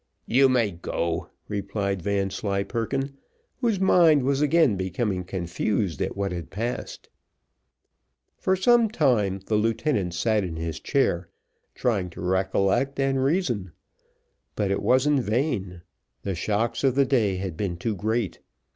"You may go," replied Vanslyperken, whose mind was again becoming confused at what had passed. For some time, the lieutenant sat in his chair, trying to recollect and reason; but it was in vain the shocks of the day had been too great.